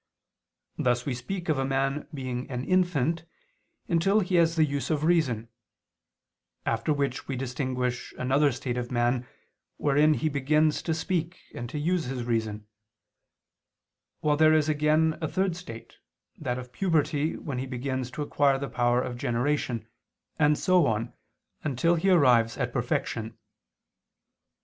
Thus we speak of a man being an infant until he has the use of reason, after which we distinguish another state of man wherein he begins to speak and to use his reason, while there is again a third state, that of puberty when he begins to acquire the power of generation, and so on until he arrives at perfection.